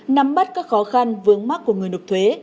nắm bắt các khó khăn vướng mắt của người nộp thuế